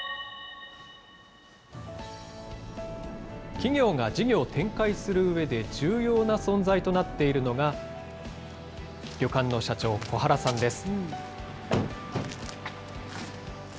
企業が事業を展開するうえで重要な存在となっているのが、旅館の社長、小原さんです。